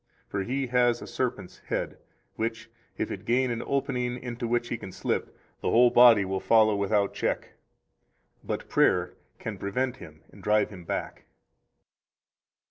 For he has a serpent's head, which if it gain an opening into which he can slip, the whole body will follow without check. But prayer can prevent him and drive him back.